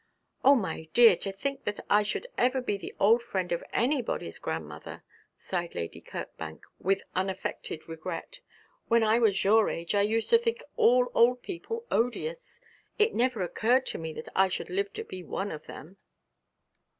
'Oh, my dear, to think that I should ever be the old friend of anybody's grandmother!' sighed Lady Kirkbank, with unaffected regret. 'When I was your age I used to think all old people odious. It never occurred to me that I should live to be one of them.'